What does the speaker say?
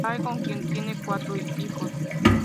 Clair con quien tiene cuatro hijos.